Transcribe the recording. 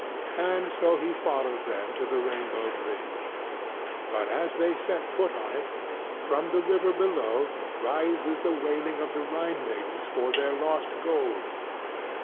And so he follows them to the rainbow bridge. But as they set foot on it, from the river below rises the wailing of the Rhine maidens for their lost gold.